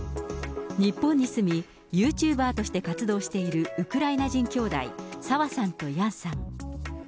日本に住み、ユーチューバーとして活動しているウクライナ人兄弟、サワさんとヤンさん。